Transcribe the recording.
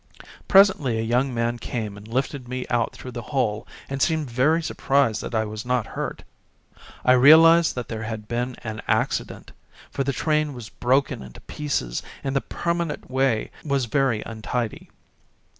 Presently a young man came and lifted me out through the hole, and seemed very surprised that I was not hurt. I realised that there had been an accident, for the train was broken into pieces and the permanent way was very untidy.